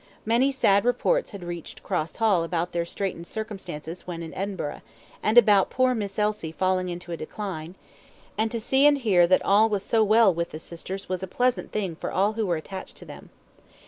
Many sad reports had reached Cross Hall about their straitened circumstances when in Edinburgh, and about poor Miss Elsie falling into a decline; and to see and hear that all was so well with the sisters was a pleasant thing for all who were attached to them.